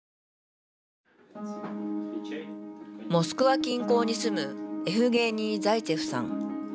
モスクワ近郊に住むエフゲーニー・ザイツェフさん。